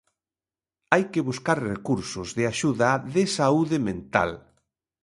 Hai que buscar recursos de axuda de saúde mental.